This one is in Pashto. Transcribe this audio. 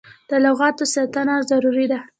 د لغتانو ساتنه ضروري ده.